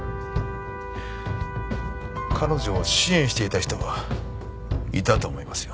彼女を支援していた人がいたと思いますよ。